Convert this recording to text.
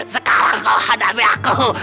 sekarang kau akan menghadapi aku